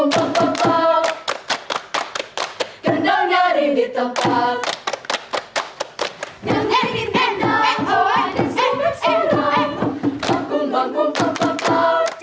mak bapak ngandali disurnati